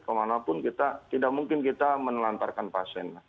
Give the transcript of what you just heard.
kemanapun kita tidak mungkin kita menelantarkan pasien